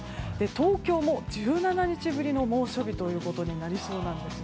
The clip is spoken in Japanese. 東京も１７日ぶりの猛暑日ということになりそうなんです。